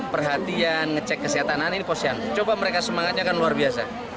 perhatian ngecek kesehatan anak ini posyandu coba mereka semangatnya kan luar biasa